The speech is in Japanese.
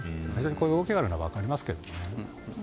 こういう動きがあるのは分かりますけどね。